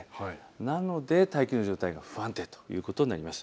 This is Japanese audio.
なので大気の状態が不安定ということになります。